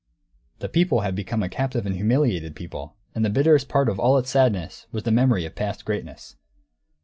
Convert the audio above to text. The people had become a captive and humiliated people; and the bitterest part of all its sadness was the memory of past greatness.